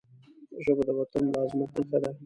ژبه د وطن د عظمت نښه ده